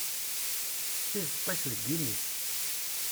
Tizeṭ-is deg imi-s.